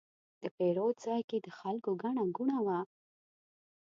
د پیرود ځای کې د خلکو ګڼه ګوڼه وه.